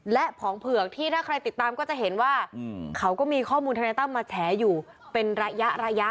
และผองเผือกที่ถ้าใครติดตามก็จะเห็นว่าเขาก็มีข้อมูลธนายตั้มมาแฉอยู่เป็นระยะระยะ